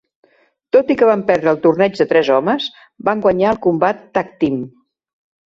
Tot i que van perdre el torneig de tres homes, van guanyar el combat Tag Team.